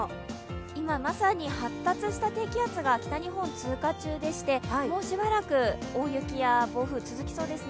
今まさに発達した低気圧が北日本、通過中でしてもうしばらく大雪や暴風続きそうですね。